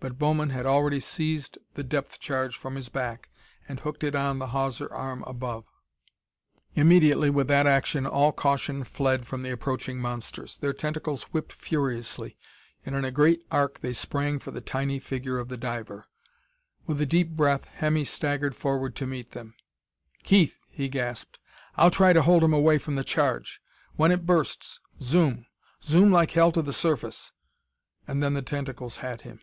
But Bowman had already seized the depth charge from his back and hooked it on the hawser arm above. Immediately, with that action, all caution fled from the approaching monsters. Their tentacles whipped furiously; and in a great arc they sprang for the tiny figure of the diver. With a deep breath, Hemmy staggered forward to meet them. "Keith!" he gasped. "I'll try to hold 'em away from the charge! When it bursts, zoom! Zoom like hell to the surface!" And then the tentacles had him.